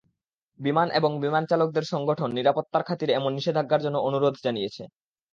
বিমান এবং বিমানচালকদের সংগঠন নিরাপত্তার খাতিরে এমন নিষেধাজ্ঞার জন্য অনুরোধ জানিয়েছে।